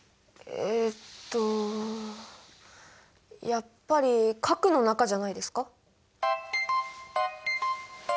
やっぱり核の中じゃないですか？